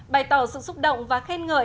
bày tỏ sự xúc động và khen ngợi